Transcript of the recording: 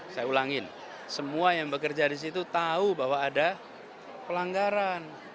saya ulangin semua yang bekerja di situ tahu bahwa ada pelanggaran